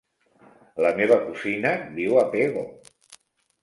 La meva cosina viu a Pego.